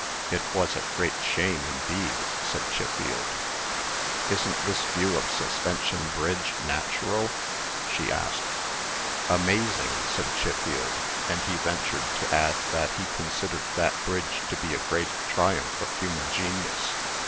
"It was a great shame, indeed!" said Chiffield. "Isn't this view of Suspension Bridge natural?" she asked "Amazing!" said Chiffield; and he ventured to add that he considered that bridge to be a great triumph of human genius.